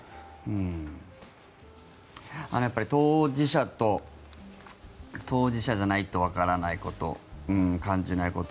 当事者と当事者じゃないとわからないこと感じない